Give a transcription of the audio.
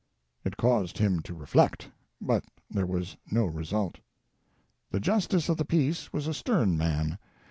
It caused him to reflect. But there was no result. The justice of the peace was a stern man.